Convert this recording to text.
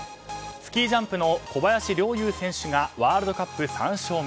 スキージャンプの小林陵侑選手がワールドカップ３勝目。